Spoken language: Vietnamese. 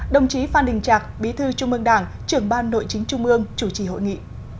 đồng chí phan đình trạc bí thư trung ương đảng trưởng ban nội chính trung ương chủ trì hội nghị